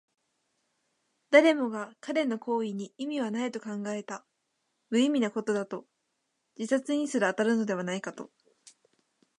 誰もが彼の行為に意味はないと考えた。無意味なことだと、自殺にすら当たるのではないかと。